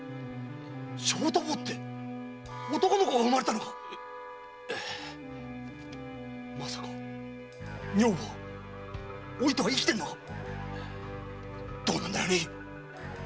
⁉「正太坊」って男の子が生まれたのか⁉まさか女房はお糸は生きてるのか⁉どうなんだよアニイ！